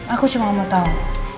aku cuma mau tau